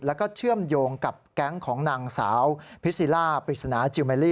แล้วก็เชื่อมโยงกับแก๊งของนางสาวพิซิล่าปริศนาจิลเมลลี่